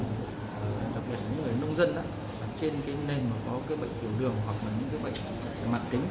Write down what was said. đặc biệt là những người nông dân trên cái nền mà có cái bệnh tiểu đường hoặc là những cái bệnh về mặt tính